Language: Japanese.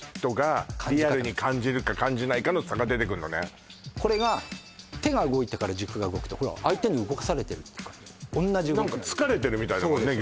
方これが手が動いてから軸が動くと相手に動かされてるって感じ同じ動きなのに何か突かれてるみたいだもんね